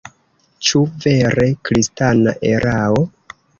Ĉu vere kristana erao?